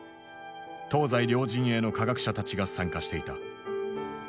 東西両陣営の科学者たちが参加していた。